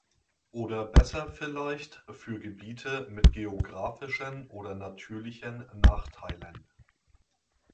Oder besser vielleicht für Gebiete mit geografischen oder natürlichen Nachteilen?